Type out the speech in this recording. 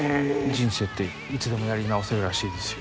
人生っていつでもやり直せるらしいですよ。